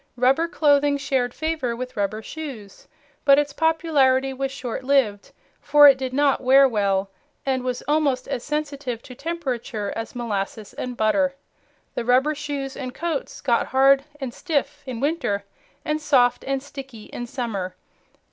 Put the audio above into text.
Rubber clothing shared favor with rubber shoes, but its popularity was short lived for it did not wear well and was almost as sensitive to temperature as molasses and butter. The rubber shoes and coats get hard and stiff in winter and soft and sticky in summer.